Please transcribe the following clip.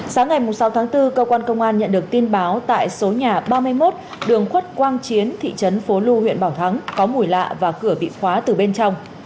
sáng ngày sáu tháng bốn cơ quan công an nhận được tin báo tại số nhà ba mươi một đường khuất quang chiến thị trấn phố lu huyện bảo thắng có mùi lạ và cửa bị khóa từ bên trong